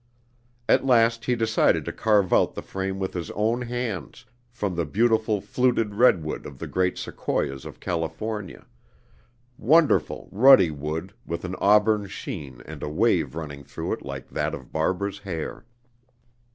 At last he decided to carve out the frame with his own hands, from the beautiful fluted redwood of the great sequoias of California: wonderful, ruddy wood with an auburn sheen and a wave running through it like that of Barbara's hair.